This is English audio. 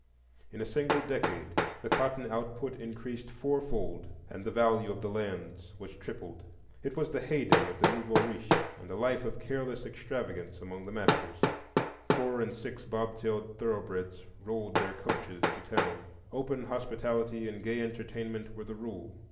In a single decade the cotton output increased four fold and the value of lands was tripled. It was the heyday of the nouveau riche, and a life of careless extravagance among the masters. Four and six bobtailed thoroughbreds rolled their coaches to town; open hospitality and gay entertainment were the rule.